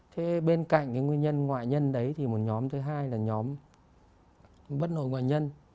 thế bên cạnh cái nguyên nhân ngoại nhân đấy thì một nhóm thứ hai là nhóm bất hội ngoại nhân